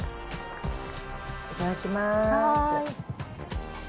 いただきます。